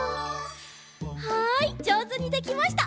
はいじょうずにできました！